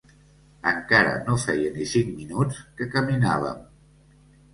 Encara no feia ni cinc minuts que caminàvem